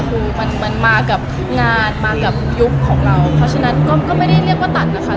คือมันมากับงานมากับยุคของเราเพราะฉะนั้นก็ไม่ได้เรียกว่าตัดนะคะ